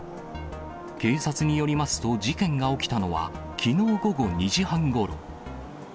警察によりますと、事件が起きたのはきのう午後２時半ごろ。